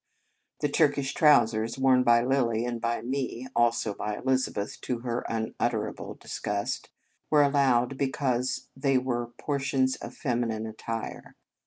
The Turkish trousers worn by Lilly and by me also by Elizabeth, to her unutterable disgust were allowed because they were portions of femi nine attire.